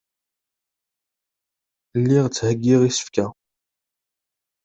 Lliɣ ttagiɣ isefka.